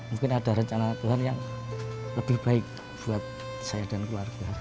mungkin ada rencana tuhan yang lebih baik buat saya dan keluarga